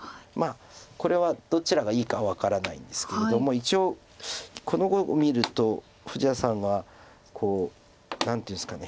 これはどちらがいいかは分からないんですけれども一応この碁を見ると富士田さんは何ていうんですか。